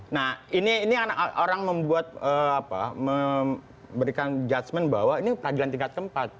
nah ini orang membuat apa memberikan judgement bahwa ini peradilan tingkat keempat